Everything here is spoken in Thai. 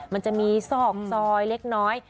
มันจะมีซอกซอยเล็กน้อย